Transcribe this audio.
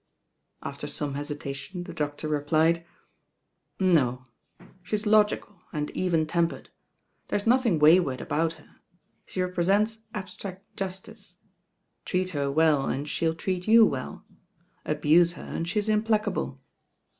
After some hesitation the doctor replied: No: she's logical and even tempered. There's nothmg wayward about her: she represents abstract justice. Treat her weU and she'U treat you well: tbuse her and she's implacable.